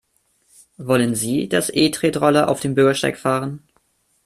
Wollen Sie, dass E-Tretroller auf dem Bürgersteig fahren?